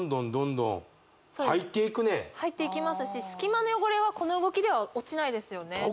入っていくね入っていきますし隙間の汚れはこの動きでは落ちないですよね